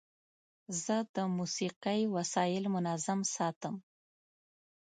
زه د موسیقۍ وسایل منظم ساتم.